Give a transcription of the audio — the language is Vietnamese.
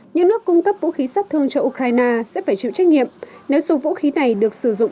những nước cung cấp vũ khí sát thương cho ukraine sẽ phải chịu trách nhiệm nếu số vũ khí này được sử dụng